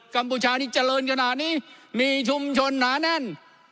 กมชาที่เจริญขนาดนี้มีชุมชนหนาแน่น